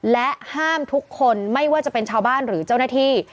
และห้ามทุกคนไม่ว่าจะเป็นชาวบ้านหรือเจ้าหน้าที่